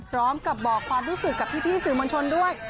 พร้อมกับบอกความรู้สึกกับพี่สื่อมวลชนด้วย